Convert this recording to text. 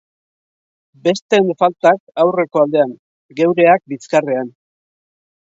Besteen faltak aurreko aldean, geureak bizkarrean.